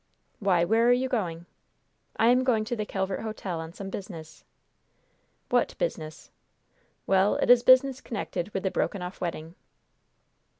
"Why, where are you going?" "I am going to the Calvert Hotel on some business." "What business?" "Well, it is business connected with the broken off wedding."